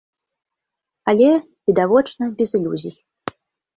Але, відавочна, без ілюзій.